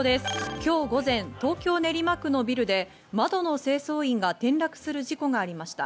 今日午前、東京・練馬区のビルで窓の清掃員が転落する事故がありました。